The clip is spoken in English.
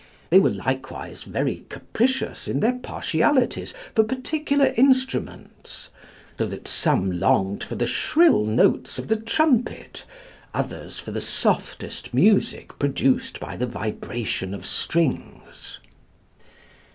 They were likewise very capricious in their partialities for particular instruments; so that some longed for the shrill notes of the trumpet, others for the softest music produced by the vibration of strings.